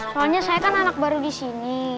soalnya saya kan anak baru disini